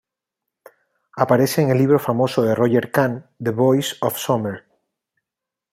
Aparece en el libro famoso de Roger Kahn, "The Boys of Summer.".